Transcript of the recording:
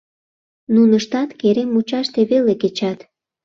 Нуныштат керем мучаште веле кечат...